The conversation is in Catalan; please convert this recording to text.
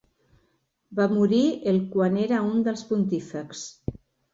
Va morir el quan era un dels pontífexs.